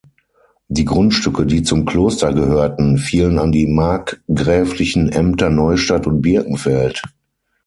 Die Grundstücke, die zum Kloster gehörten, fielen an die markgräflichen Ämter Neustadt und Birkenfeld.